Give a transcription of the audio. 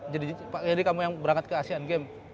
jadi kamu yang berangkat ke asean games